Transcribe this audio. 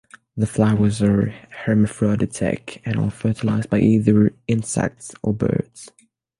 The flowers are hermaphroditic and are fertilised by either insects or birds.